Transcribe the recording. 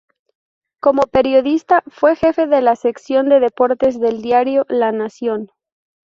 Como periodista fue jefe de la sección de deportes del diario "La Nación".